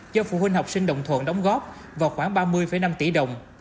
do phụ huynh học sinh đồng thuận đóng góp vào khoảng ba mươi năm tỷ đồng